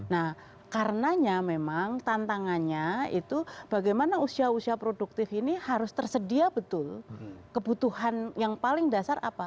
nah karenanya memang tantangannya itu bagaimana usia usia produktif ini harus tersedia betul kebutuhan yang paling dasar apa